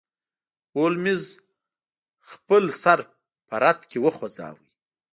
هولمز خپل سر په رد کې وخوزاوه.